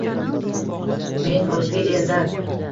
Men o’zga eldan